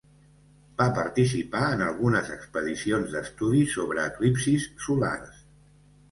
Va participar en algunes expedicions d'estudi sobre eclipsis solars.